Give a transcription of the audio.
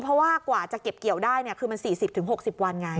เพราะว่ากว่าจะเก็บเกี่ยวได้คือมัน๔๐๖๐วันไง